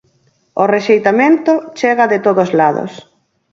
O rexeitamento chega de todos lados.